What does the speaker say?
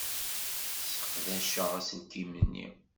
Sseqdaceɣ aselkim-nni.